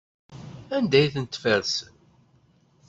Anda ay tent-tfersem?